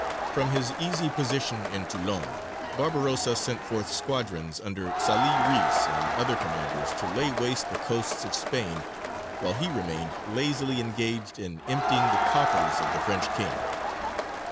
From his easy position in Toulon, Barbarossa sent forth squadrons under Sālih Reïs and other commanders to lay waste the coasts of Spain, while he remained "lazily engaged in emptying the coffers of the French king."